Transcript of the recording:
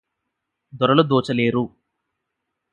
దొరలు దోచలేరు